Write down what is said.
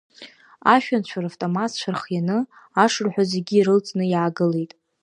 Ашәанцәа равтоматқәа рхианы, ашырҳәа зегьы ирылҵны иаагылеит.